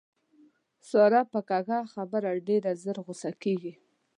ساره په کږه خبره ډېره زر غوسه کېږي.